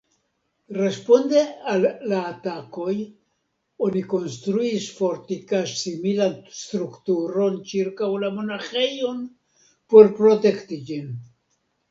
Responde al la atakoj, oni konstruis fortikaĵ-similan strukturon ĉirkaŭ la monaĥejon, por protekti ĝin.